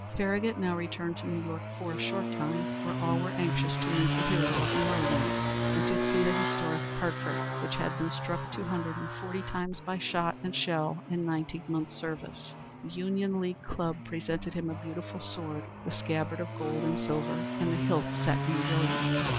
Farragut now returned to New York for a short time, where all were anxious to meet the Hero of New Orleans, and to see the historic Hartford, which had been struck two hundred and forty times by shot and shell in nineteen months' service. The Union League Club presented him a beautiful sword, the scabbard of gold and silver, and the hilt set in brilliants.